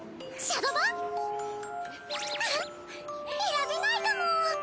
選べないかも！